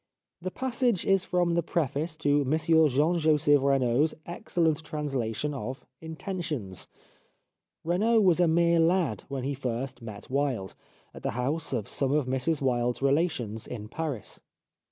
The passage is from the preface to Monsieur Jean Joseph Renaud's excellent translation of " Intentions." Renaud was a mere lad when he first met Wilde at the house of some of Mrs Wilde's relations in Paris.